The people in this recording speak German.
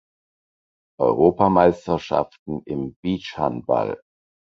Europameisterschaften im Beachhandball